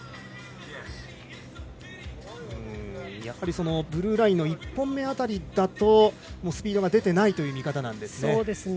やはりブルーラインの１本目辺りだとスピードが出てないという見方なんですね。